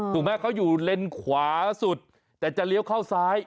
ถูกไหมเขาอยู่เลนขวาสุดแต่จะเลี้ยวเข้าซ้าย